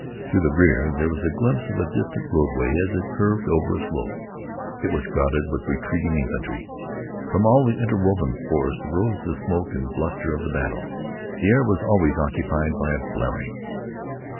To the rear there was a glimpse of a distant roadway as it curved over a slope. It was crowded with retreating infantry. From all the interwoven forest arose the smoke and bluster of the battle. The air was always occupied by a blaring.